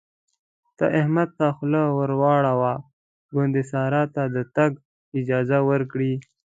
ته احمد ته خوله ور واړوه ګوندې سارا ته د تګ اجازه ورکړي.